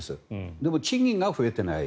でも、賃金が増えていない。